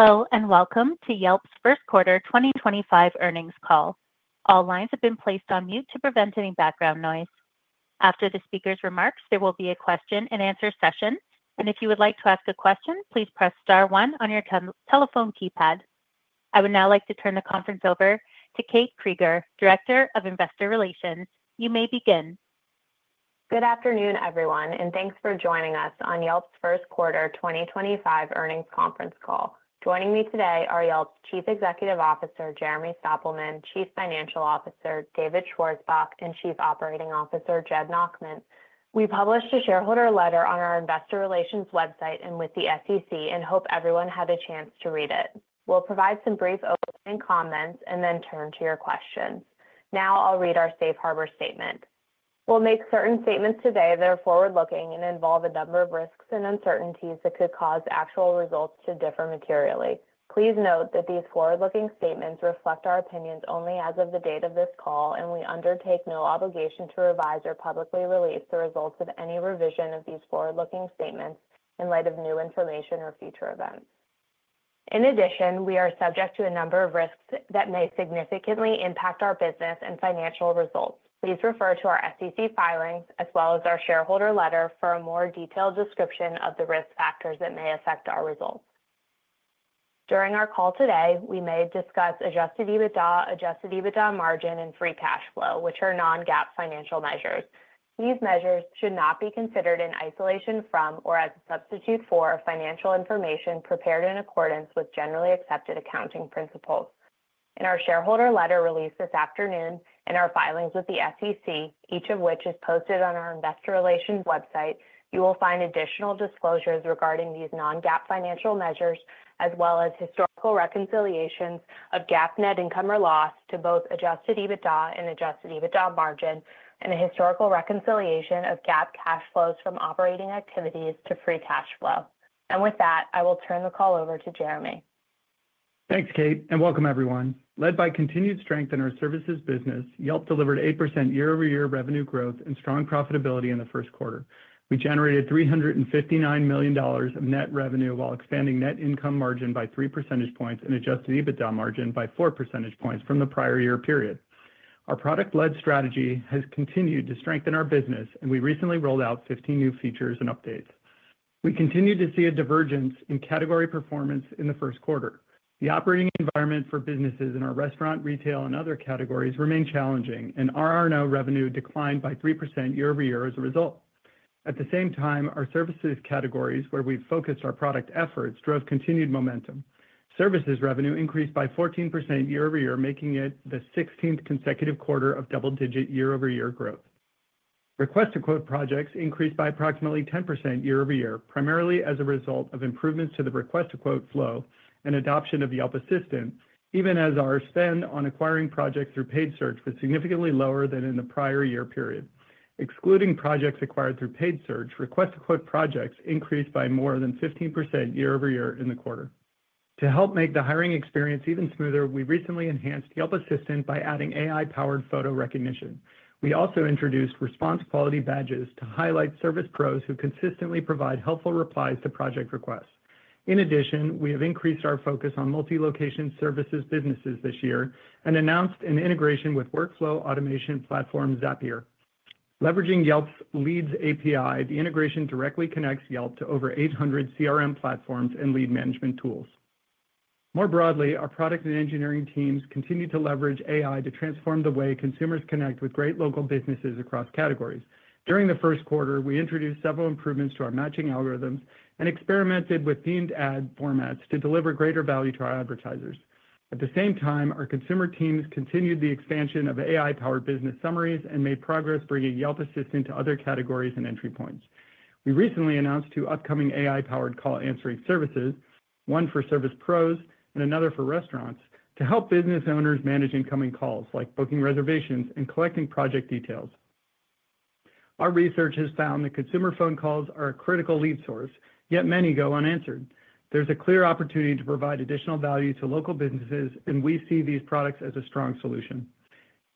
Hello, and welcome to Yelp's first quarter 2025 Earnings Call. All lines have been placed on mute to prevent any background noise. After the speaker's remarks, there will be a question-and-answer session, and if you would like to ask a question, please press star one on your telephone keypad. I would now like to turn the conference over to Kate Krieger, Director of Investor Relations. You may begin. Good afternoon, everyone, and thanks for joining us on Yelp's first quarter 2025 Earnings Conference Call. Joining me today are Yelp's Chief Executive Officer, Jeremy Stoppelman, Chief Financial Officer, David Schwarzbach, and Chief Operating Officer, Jed Nachman. We published a shareholder letter on our Investor Relations website and with the SEC, and hope everyone had a chance to read it. We'll provide some brief opening comments and then turn to your questions. Now I'll read our Safe Harbor Statement. We'll make certain statements today that are forward-looking and involve a number of risks and uncertainties that could cause actual results to differ materially. Please note that these forward-looking statements reflect our opinions only as of the date of this call, and we undertake no obligation to revise or publicly release the results of any revision of these forward-looking statements in light of new information or future events. In addition, we are subject to a number of risks that may significantly impact our business and financial results. Please refer to our SEC filings as well as our shareholder letter for a more detailed description of the risk factors that may affect our results. During our call today, we may discuss Adjusted EBITDA, Adjusted EBITDA margin, and free cash flow, which are non-GAAP financial measures. These measures should not be considered in isolation from or as a substitute for financial information prepared in accordance with generally accepted accounting principles. In our shareholder letter released this afternoon and our filings with the SEC, each of which is posted on our Investor Relations website, you will find additional disclosures regarding these non-GAAP financial measures, as well as historical reconciliations of GAAP net income or loss to both Adjusted EBITDA and Adjusted EBITDA margin, and a historical reconciliation of GAAP cash flows from operating activities to free cash flow. With that, I will turn the call over to Jeremy. Thanks, Kate, and welcome, everyone. Led by continued strength in our services business, Yelp delivered 8% Year-over-Year revenue growth and strong profitability in the first quarter. We generated $359 million of net revenue while expanding net income margin by 3 percentage points and Adjusted EBITDA margin by 4 percentage points from the prior year period. Our product-led strategy has continued to strengthen our business, and we recently rolled out 15 new features and updates. We continue to see a divergence in category performance in the first quarter. The operating environment for businesses in our restaurant, retail, and other categories remained challenging, and our R&O revenue declined by 3% Year-over-Year as a result. At the same time, our services categories, where we've focused our product efforts, drove continued momentum. Services revenue increased by 14% Year-over-Year, making it the 16th consecutive quarter of double-digit Year-over-Year growth. Request-to-quote projects increased by approximately 10% Year-over-Year, primarily as a result of improvements to the request-to-quote flow and adoption of Yelp Assistant, even as our spend on acquiring projects through paid search was significantly lower than in the prior year period. Excluding projects acquired through paid search, request-to-quote projects increased by more than 15% Year-over-Year in the quarter. To help make the hiring experience even smoother, we recently enhanced Yelp Assistant by adding AI-powered photo recognition. We also introduced response quality badges to highlight service pros who consistently provide helpful replies to project requests. In addition, we have increased our focus on multi-location services businesses this year and announced an integration with workflow automation platform Zapier. Leveraging Yelp's Leads API, the integration directly connects Yelp to over 800 CRM platforms and lead management tools. More broadly, our product and engineering teams continue to leverage AI to transform the way consumers connect with great local businesses across categories. During the first quarter, we introduced several improvements to our matching algorithms and experimented with themed ad formats to deliver greater value to our advertisers. At the same time, our consumer teams continued the expansion of AI-powered business summaries and made progress bringing Yelp Assistant to other categories and entry points. We recently announced two upcoming AI-powered call answering services, one for service Pros and another for restaurants, to help business owners manage incoming calls like booking reservations and collecting project details. Our research has found that consumer phone calls are a critical lead source, yet many go unanswered. There's a clear opportunity to provide additional value to local businesses, and we see these products as a strong solution.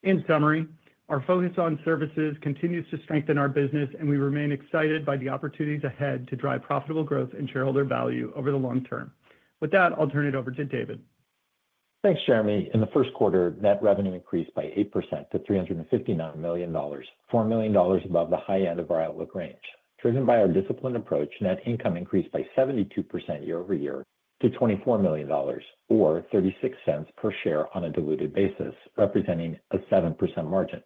In summary, our focus on services continues to strengthen our business, and we remain excited by the opportunities ahead to drive profitable growth and shareholder value over the long term. With that, I'll turn it over to David. Thanks, Jeremy. In the first quarter, net revenue increased by 8% to $359 million, $4 million above the high end of our outlook range. Driven by our disciplined approach, net income increased by 72% Year-over-Year to $24 million, or $0.36 per share on a diluted basis, representing a 7% margin.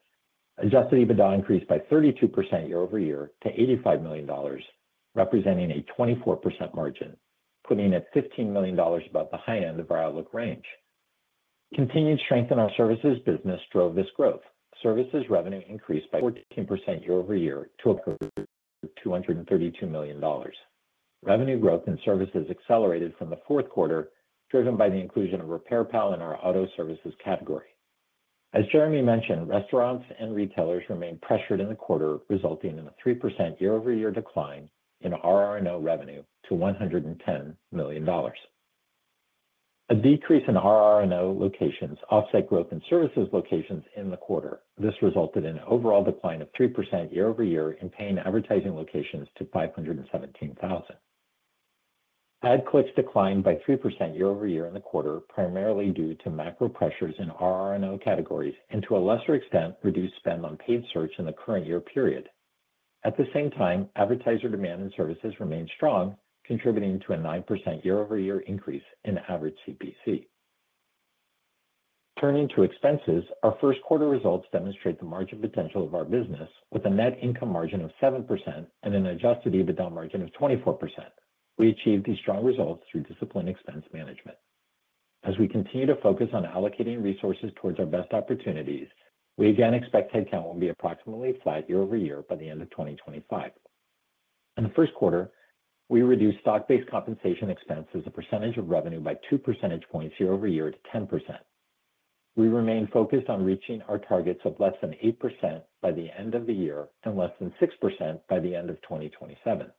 Adjusted EBITDA increased by 32% Year-over-Year to $85 million, representing a 24% margin, putting it $15 million above the high end of our outlook range. Continued strength in our services business drove this growth. Services revenue increased by 14% Year-over-Year to a perfect $232 million. Revenue growth in services accelerated from the fourth quarter, driven by the inclusion of RepairPal in our auto services category. As Jeremy mentioned, restaurants and retailers remained pressured in the quarter, resulting in a 3% Year-over-Year decline in R&O revenue to $110 million. A decrease in R&O locations offset growth in services locations in the quarter. This resulted in an overall decline of 3% Year-over-Year in paying advertising locations to $517,000. Ad clicks declined by 3% Year-over-Year in the quarter, primarily due to macro pressures in R&O categories and, to a lesser extent, reduced spend on paid search in the current year period. At the same time, advertiser demand in services remained strong, contributing to a 9% Year-over-Year increase in average CPC. Turning to expenses, our first quarter results demonstrate the margin potential of our business, with a net income margin of 7% and an Adjusted EBITDA margin of 24%. We achieved these strong results through disciplined expense management. As we continue to focus on allocating resources towards our best opportunities, we again expect headcount will be approximately flat Year-over-Year by the end of 2025. In the first quarter, we reduced stock-based compensation expenses as a percentage of revenue by 2 percentage points Year-over-Year to 10%. We remain focused on reaching our targets of less than 8% by the end of the year and less than 6% by the end of 2027.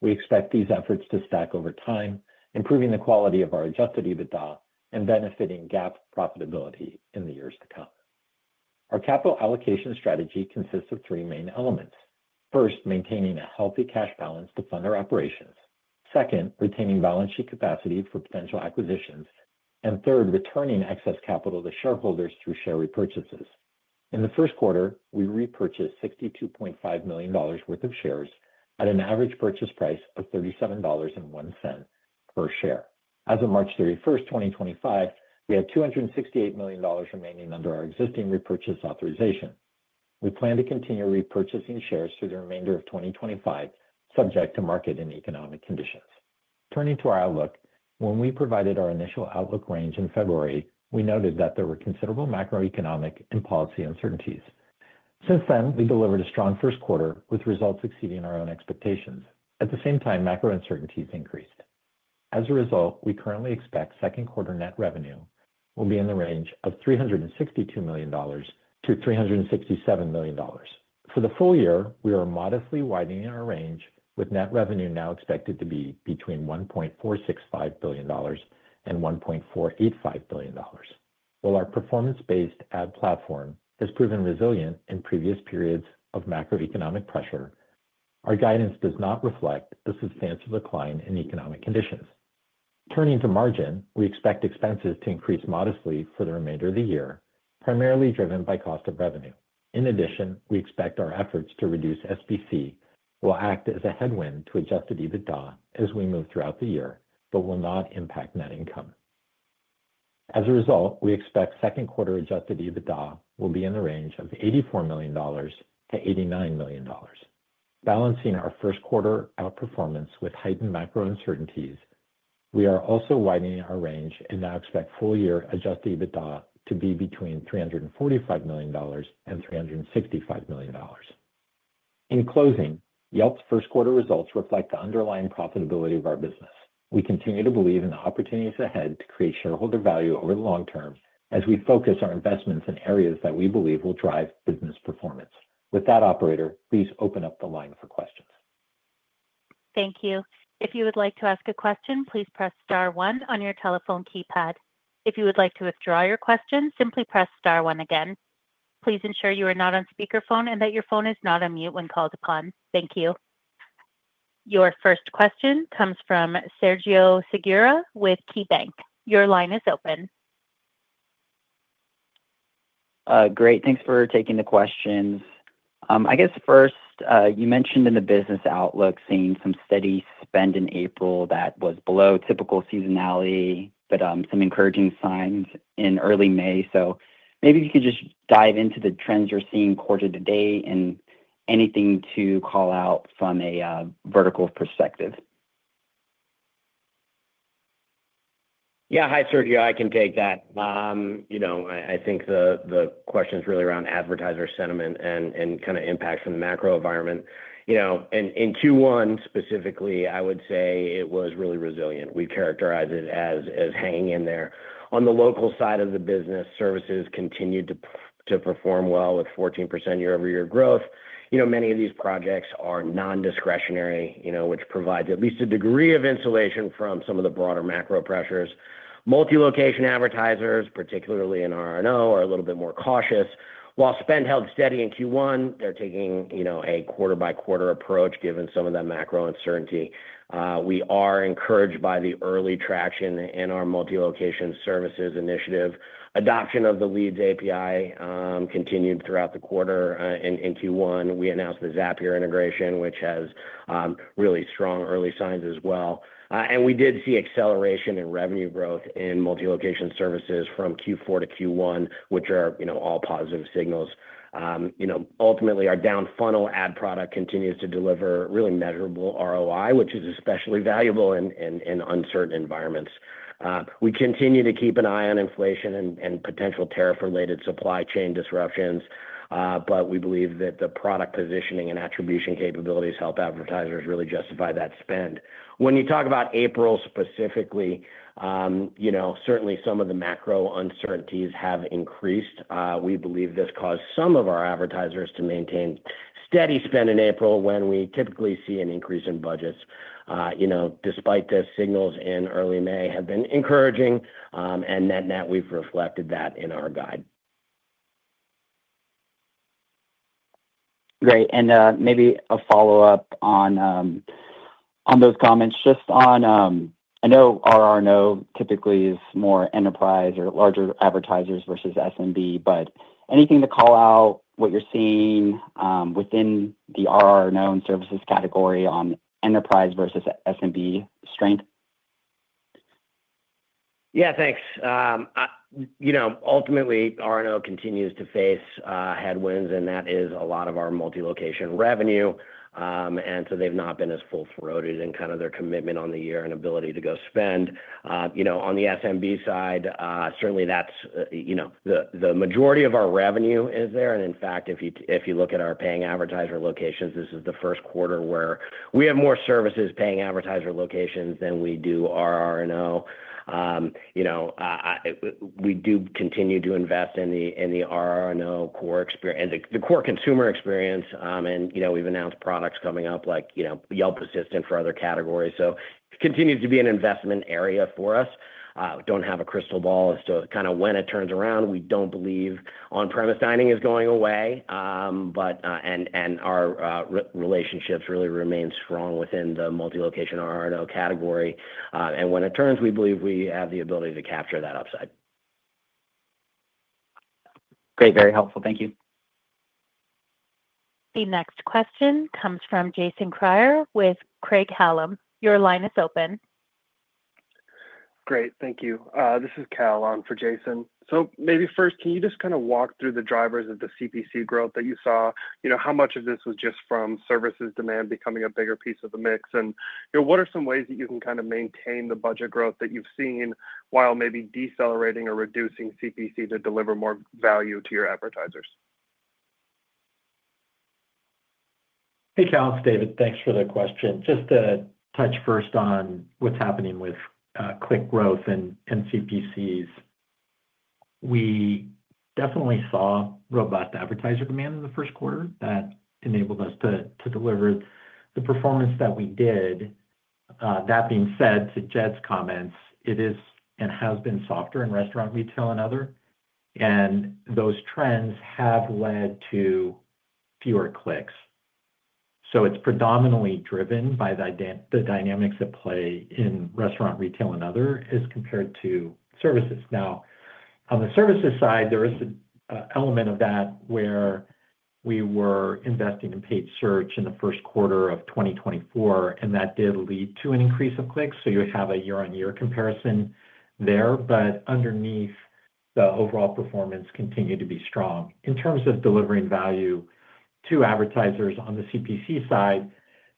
We expect these efforts to stack over time, improving the quality of our Adjusted EBITDA and benefiting GAAP profitability in the years to come. Our capital allocation strategy consists of three main elements. First, maintaining a healthy cash balance to fund our operations. Second, retaining balance sheet capacity for potential acquisitions. Third, returning excess capital to shareholders through share repurchases. In the first quarter, we repurchased $62.5 million worth of shares at an average purchase price of $37.01 per share. As of March 31, 2025, we have $268 million remaining under our existing repurchase authorization. We plan to continue repurchasing shares through the remainder of 2025, subject to market and economic conditions. Turning to our outlook, when we provided our initial outlook range in February, we noted that there were considerable macroeconomic and policy uncertainties. Since then, we delivered a strong first quarter with results exceeding our own expectations. At the same time, macro uncertainties increased. As a result, we currently expect second quarter net revenue will be in the range of $362 million-$367 million. For the full year, we are modestly widening our range, with net revenue now expected to be between $1.465 billion and $1.485 billion. While our performance-based ad platform has proven resilient in previous periods of macroeconomic pressure, our guidance does not reflect the substantial decline in economic conditions. Turning to margin, we expect expenses to increase modestly for the remainder of the year, primarily driven by cost of revenue. In addition, we expect our efforts to reduce SBC will act as a headwind to Adjusted EBITDA as we move throughout the year, but will not impact net income. As a result, we expect second quarter Adjusted EBITDA will be in the range of $84 million-$89 million. Balancing our first quarter outperformance with heightened macro uncertainties, we are also widening our range and now expect full-year Adjusted EBITDA to be between $345 million and $365 million. In closing, Yelp's first quarter results reflect the underlying profitability of our business. We continue to believe in the opportunities ahead to create shareholder value over the long term as we focus our investments in areas that we believe will drive business performance. With that, operator, please open up the line for questions. Thank you. If you would like to ask a question, please press star one on your telephone keypad. If you would like to withdraw your question, simply press star one again. Please ensure you are not on speakerphone and that your phone is not on mute when called upon. Thank you. Your first question comes from Sergio Segura with KeyBanc. Your line is open. Great. Thanks for taking the questions. I guess first, you mentioned in the business outlook seeing some steady spend in April that was below typical seasonality, but some encouraging signs in early May. If you could just dive into the trends you're seeing quarter to date and anything to call out from a vertical perspective. Yeah. Hi, Sergio. I can take that. You know, I think the question's really around advertiser sentiment and kind of impact from the macro environment. You know, in Q1 specifically, I would say it was really resilient. We characterize it as hanging in there. On the local side of the business, services continued to perform well with 14% Year-over-Year growth. You know, many of these projects are non-discretionary, you know, which provides at least a degree of insulation from some of the broader macro pressures. Multi-location advertisers, particularly in R&O, are a little bit more cautious. While spend held steady in Q1, they're taking, you know, a quarter-by-quarter approach given some of that macro uncertainty. We are encouraged by the early traction in our multi-location services initiative. Adoption of the Leads API continued throughout the quarter. In Q1, we announced the Zapier integration, which has really strong early signs as well. We did see acceleration in revenue growth in multi-location services from Q4 to Q1, which are, you know, all positive signals. You know, ultimately, our down-funnel ad product continues to deliver really measurable ROI, which is especially valuable in uncertain environments. We continue to keep an eye on inflation and potential tariff-related supply chain disruptions, but we believe that the product positioning and attribution capabilities help advertisers really justify that spend. When you talk about April specifically, you know, certainly some of the macro uncertainties have increased. We believe this caused some of our advertisers to maintain steady spend in April when we typically see an increase in budgets. You know, despite this, signals in early May have been encouraging, and net-net, we've reflected that in our guide. Great. Maybe a follow-up on those comments. Just on, I know R&O typically is more enterprise or larger advertisers versus S&B, but anything to call out what you're seeing within the R&O and services category on enterprise versus S&B strength? Yeah, thanks. You know, ultimately, R&O continues to face headwinds, and that is a lot of our multi-location revenue. They've not been as full-throated in kind of their commitment on the year and ability to go spend. You know, on the S&B side, certainly that's, you know, the majority of our revenue is there. In fact, if you look at our paying advertiser locations, this is the first quarter where we have more services paying advertiser locations than we do R&O. You know, we do continue to invest in the R&O core experience, the core consumer experience. You know, we've announced products coming up like, you know, Yelp Assistant for other categories. It continues to be an investment area for us. Don't have a crystal ball as to kind of when it turns around. We don't believe on-premise dining is going away, but our relationships really remain strong within the multi-location R&O category. And when it turns, we believe we have the ability to capture that upside. Great. Very helpful. Thank you. The next question comes from Jason Krier with Craig-Hallum. Your line is open. Great. Thank you. This is Krier on for Jason. So maybe first, can you just kind of walk through the drivers of the CPC growth that you saw? You know, how much of this was just from services demand becoming a bigger piece of the mix? And, you know, what are some ways that you can kind of maintain the budget growth that you've seen while maybe decelerating or reducing CPC to deliver more value to your advertisers? Hey, Krier, It's David. Thanks for the question. Just to touch first on what's happening with click growth and CPCs. We definitely saw robust advertiser demand in the first quarter that enabled us to deliver the performance that we did. That being said, to Jed's comments, it is and has been softer in restaurant, retail, and other. Those trends have led to fewer clicks. It is predominantly driven by the dynamics at play in restaurant, retail, and other as compared to services. Now, on the services side, there is an element of that where we were investing in paid search in the first quarter of 2024, and that did lead to an increase of clicks. You have a Year-on-Year comparison there, but underneath, the overall performance continued to be strong. In terms of delivering value to advertisers on the CPC side,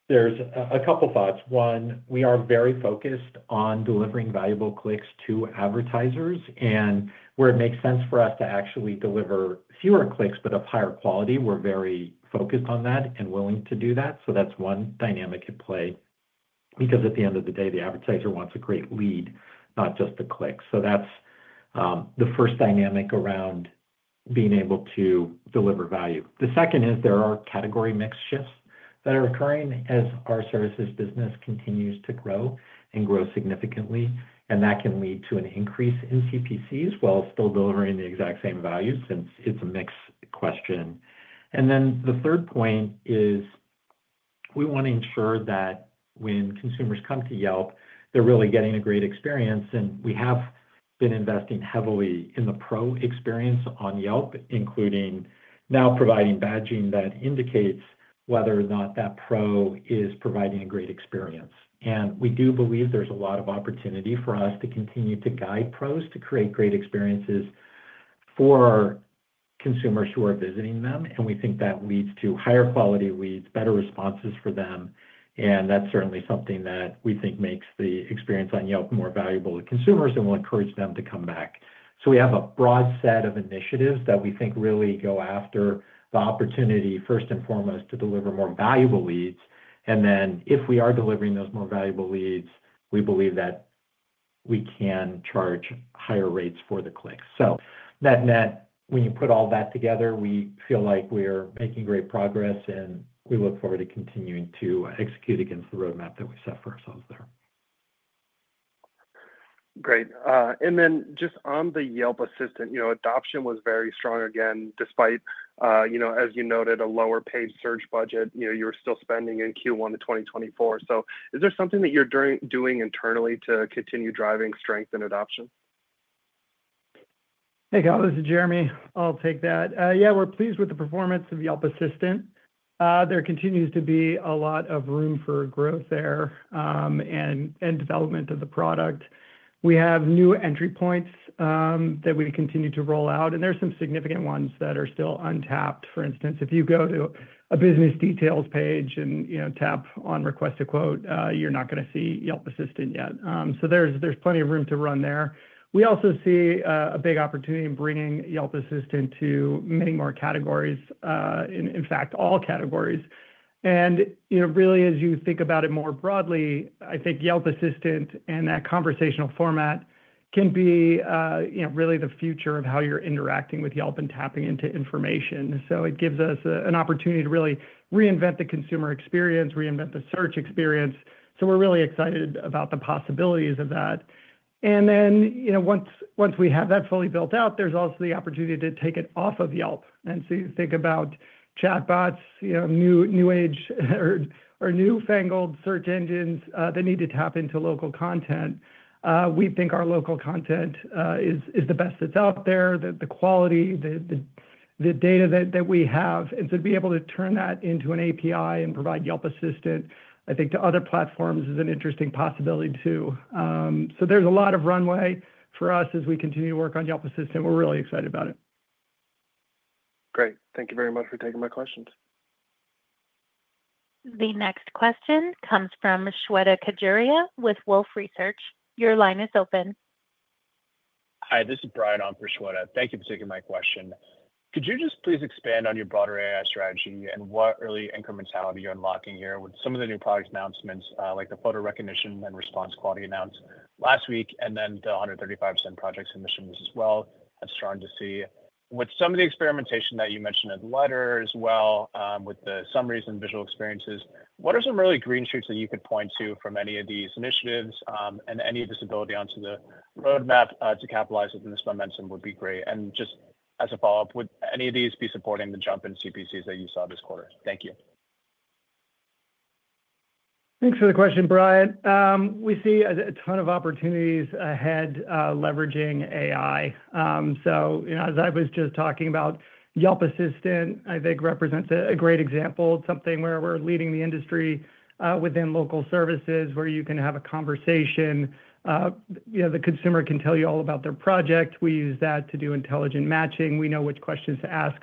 there are a couple of thoughts. One, we are very focused on delivering valuable clicks to advertisers. Where it makes sense for us to actually deliver fewer clicks but of higher quality, we're very focused on that and willing to do that. That's one dynamic at play because at the end of the day, the advertiser wants a great lead, not just a click. That's the first dynamic around being able to deliver value. The second is there are category mix shifts that are occurring as our services business continues to grow and grow significantly. That can lead to an increase in CPCs while still delivering the exact same value since it's a mix question. The third point is we want to ensure that when consumers come to Yelp, they're really getting a great experience. We have been investing heavily in the pro experience on Yelp, including now providing badging that indicates whether or not that pro is providing a great experience. We do believe there is a lot of opportunity for us to continue to guide pros to create great experiences for consumers who are visiting them. We think that leads to higher quality leads, better responses for them. That is certainly something that we think makes the experience on Yelp more valuable to consumers and will encourage them to come back. We have a broad set of initiatives that we think really go after the opportunity, first and foremost, to deliver more valuable leads. If we are delivering those more valuable leads, we believe that we can charge higher rates for the clicks. Net-net, when you put all that together, we feel like we're making great progress, and we look forward to continuing to execute against the Roadmap that we set for ourselves there. Great. And then just on the Yelp Assistant, you know, adoption was very strong again despite, you know, as you noted, a lower paid search budget. You know, you were still spending in Q1 of 2024. Is there something that you're doing internally to continue driving strength and adoption? Hey, Kyle. This is Jeremy. I'll take that. Yeah, we're pleased with the performance of Yelp Assistant. There continues to be a lot of room for growth there and development of the product. We have new entry points that we continue to roll out, and there are some significant ones that are still untapped. For instance, if you go to a business details page and, you know, tap on request a quote, you're not going to see Yelp Assistant yet. There is plenty of room to run there. We also see a big opportunity in bringing Yelp Assistant to many more categories, In fact, all categories. And, you know, really, as you think about it more broadly, I think Yelp Assistant and that conversational format can be, you know, really the future of how you're interacting with Yelp and tapping into information. It gives us an opportunity to really reinvent the consumer experience, reinvent the search experience. We're really excited about the possibilities of that. You know, once we have that fully built out, there's also the opportunity to take it off of Yelp. You think about chatbots, you know, new age or newfangled search engines that need to tap into local content. We think our local content is the best that's out there, the quality, the data that we have. To be able to turn that into an API and provide Yelp Assistant, I think to other platforms is an interesting possibility too. There's a lot of Runway for us as we continue to work on Yelp Assistant. We're really excited about it. Great. Thank you very much for taking my questions. The next question comes from Shweta Kejeria with Wolf Research. Your line is open. Hi, this is Brian Ohm for Shweta. Thank you for taking my question. Could you just please expand on your broader AI strategy and what early incrementality you're unlocking here with some of the new product announcements like the photo recognition and response quality announced last week and then the 135% project submissions as well? That's strong to see. With some of the experimentation that you mentioned in the letter as well with the summaries and visual experiences, what are some early green shoots that you could point to from any of these initiatives? Any visibility onto the Roadmap to capitalize within this momentum would be great. Just as a follow-up, would any of these be supporting the jump in CPCs that you saw this quarter? Thank you. Thanks for the question, Brian. We see a ton of opportunities ahead leveraging AI. You know, as I was just talking about, Yelp Assistant, I think, represents a great example, something where we're leading the industry within local services where you can have a conversation. You know, the consumer can tell you all about their project. We use that to do intelligent matching. We know which questions to ask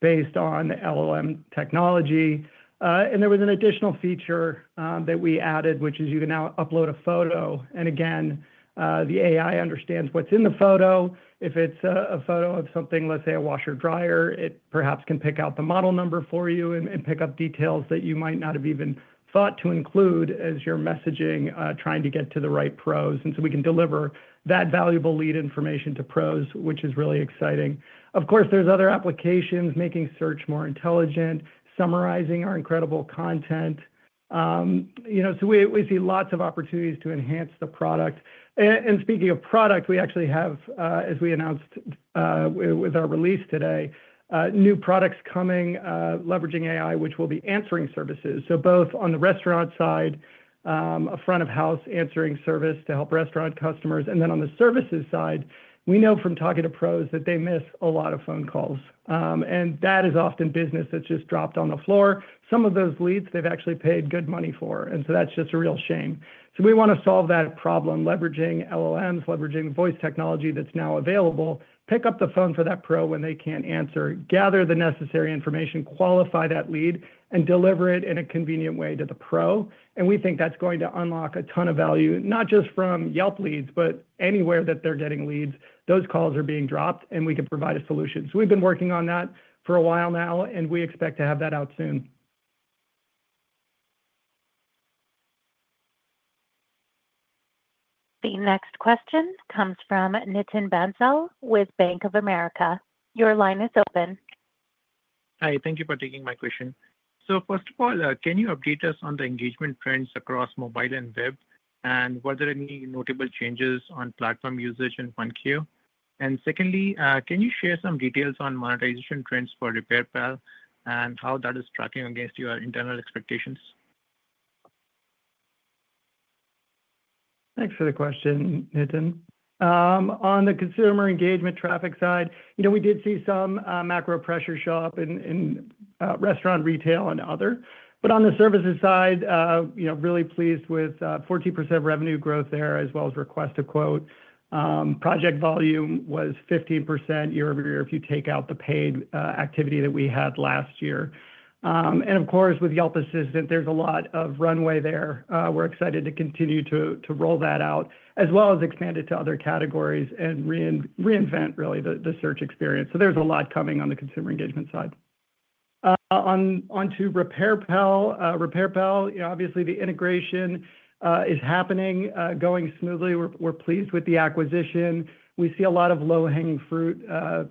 based on the LLM technology. There was an additional feature that we added, which is you can now upload a photo. Again, the AI understands what's in the photo. If it's a photo of something, let's say a Washer Dryer, it perhaps can pick out the model number for you and pick up details that you might not have even thought to include as you're messaging, trying to get to the right pros. We can deliver that valuable lead information to pros, which is really exciting. Of course, there are other applications making search more intelligent, summarizing our incredible content. You know, we see lots of opportunities to enhance the product. Speaking of product, we actually have, as we announced with our release today, new products coming leveraging AI, which will be answering services. Both on the restaurant side, a front-of-house answering service to help restaurant customers. On the services side, we know from talking to pros that they miss a lot of phone calls. That is often business that's just dropped on the floor. Some of those leads, they've actually paid good money for. That is just a real shame. We want to solve that problem leveraging LLMs, leveraging voice technology that's now available, pick up the phone for that pro when they can't answer, gather the necessary information, qualify that lead, and deliver it in a convenient way to the pro. We think that's going to unlock a ton of value, not just from Yelp leads, but anywhere that they're getting leads, those calls are being dropped, and we can provide a solution. We've been working on that for a while now, and we expect to have that out soon. The next question comes from Nitin Bansal with Bank of America. Your line is open. Hi. Thank you for taking my question. First of all, can you update us on the engagement trends across mobile and web, and were there any notable changes on platform usage and fun queue? Secondly, can you share some details on monetization trends for RepairPal and how that is tracking against your internal expectations? Thanks for the question, Nitin. On the consumer engagement traffic side, you know, we did see some macro pressure show up in restaurant, retail, and other. On the services side, you know, really pleased with 14% revenue growth there as well as request to quote. Project volume was 15% Year-over-Year if you take out the paid activity that we had last year. Of course, with Yelp Assistant, there's a lot of runway there. We're excited to continue to roll that out as well as expand it to other categories and reinvent really the search experience. There's a lot coming on the consumer engagement side. Onto RepairPal, you know, obviously the integration is happening, going smoothly. We're pleased with the acquisition. We see a lot of low-hanging fruit,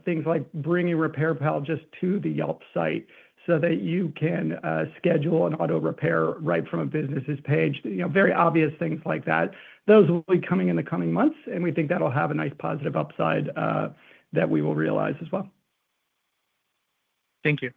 things like bringing RepairPal just to the Yelp site so that you can schedule an auto repair right from a business's page. You know, very obvious things like that. Those will be coming in the coming months, and we think that'll have a nice positive upside that we will realize as well. Thank you.